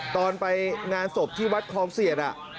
ตอนไปงานศพที่วัดคลองเสียด